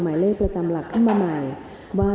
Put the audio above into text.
มีเงินรางวัลรางรำละ๔๐๐๐บาทค่ะ